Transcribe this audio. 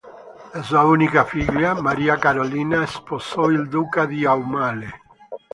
La sua unica figlia, Maria Carolina, sposò il duca di Aumale.